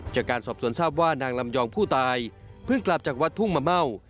จากการสอบสวนทราบว่านางลำยองผู้ตายเพิ่งกลับจากวัดทุ่งมะเม่า